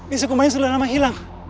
itu nya belul